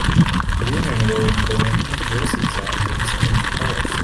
Women wearing bohemian dresses are dancing in the forest.